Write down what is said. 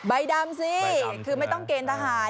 ใบดำสิคือไม่ต้องเกณฑ์ทหาร